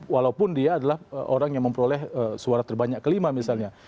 walaupun dia adalah orang yang memperoleh suara terbanyak kelima misalnya